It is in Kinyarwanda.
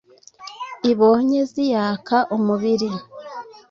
Ibonye ziyaka umubiri,